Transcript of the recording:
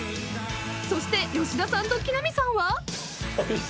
［そして吉田さんと木南さんは］